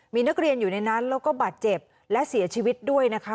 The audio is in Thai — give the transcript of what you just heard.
มีนักเรียนอยู่ในนั้นแล้วก็บาดเจ็บและเสียชีวิตด้วยนะคะ